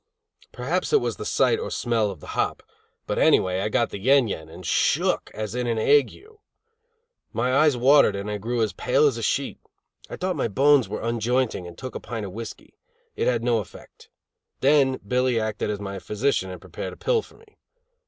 Perhaps it was the sight or smell of the hop, but anyway I got the yen yen and shook as in an ague. My eyes watered and I grew as pale as a sheet. I thought my bones were unjointing and took a pint of whiskey; it had no effect. Then Billy acted as my physician and prepared a pill for me.